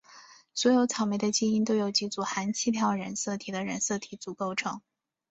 所有草莓的基因都由几组含七条染色体的染色体组构成。